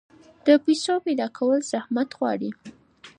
د پیسو پیدا کول زحمت غواړي.